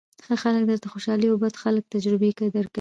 ښه خلک درته خوشالۍ او بد خلک تجربې درکوي.